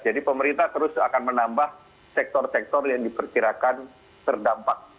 jadi pemerintah terus akan menambah sektor sektor yang diperkirakan terdampak